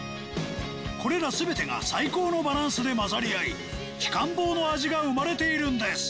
これら全てが最高のバランスで混ざり合い鬼金棒の味が生まれているんです